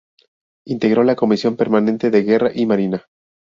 Integró la comisión permanente de Guerra y Marina.